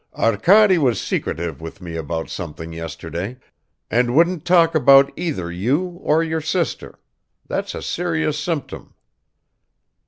"Arkady was secretive with me about something yesterday, and wouldn't talk about either you or your sister ... that's a serious symptom."